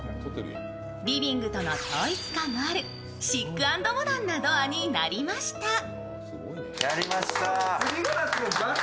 リビングとの統一感もあるシック＆モダンなドアになりました。